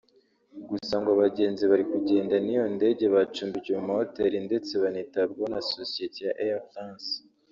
gusa ngo abagenzi bari kugenda n’iyo ndege bacumbikiwe mu mahoteli ndetse banitabwaho na sosiyete ya Air France